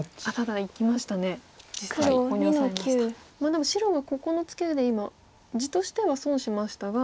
でも白はここのツケで今地としては損しましたが。